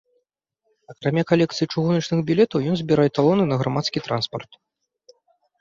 Акрамя калекцыі чыгуначных білетаў, ён збірае талоны на грамадскі транспарт.